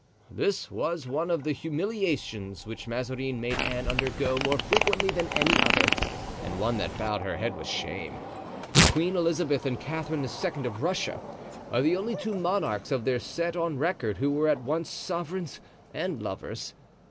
This was one of the humiliations which Mazarin made Anne undergo more frequently than any other, and one that bowed her head with shame. Queen Elizabeth and Catherine II. of Russia are the only two monarchs of their set on record who were at once sovereigns and lovers.